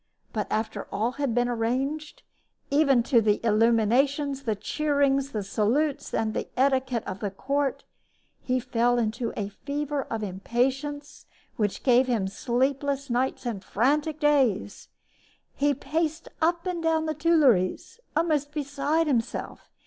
But after all had been arranged even to the illuminations, the cheering, the salutes, and the etiquette of the court he fell into a fever of impatience which gave him sleepless nights and frantic days. He paced up and down the Tuileries, almost beside himself.